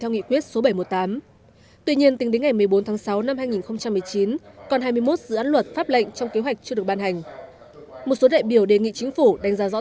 trong đó có sáu mươi chín bộ luật luật pháp lệnh thuộc danh mục ban hành kèm theo nghị quyết số bảy trăm một mươi tám